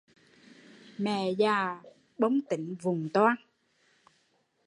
Mẹ già bông tính vụng toan